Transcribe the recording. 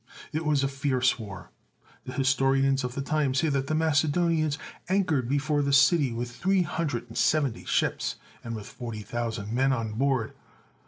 It was a fierce war. The historians of the time say that the Macedonians anchored before the city with three hundred and seventy ships, and with forty thousand men on board.